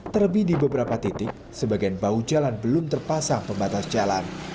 terlebih di beberapa titik sebagian bahu jalan belum terpasang pembatas jalan